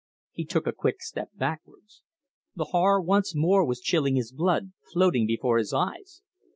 He took a quick step backwards. The horror once more was chilling his blood, floating before his eyes.